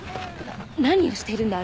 な何をしているんだ？